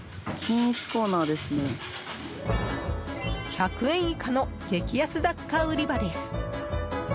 １００円以下の激安雑貨売り場です。